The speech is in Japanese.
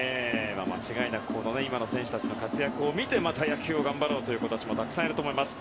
間違いなく今の選手たちの活躍を見てまた野球を頑張ろうという子たちもたくさんいると思います。